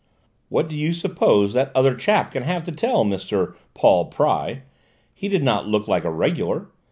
"What do you suppose that other chap can have to tell Mr. Paul Pry? He did not look like a regular!